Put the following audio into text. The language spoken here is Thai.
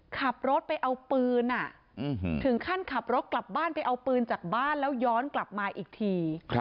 ขับรถไปเอาปืนถึงขั้นขับรถกลับบ้านไปเอาปืนจากบ้านแล้วย้อนกลับมาอีกที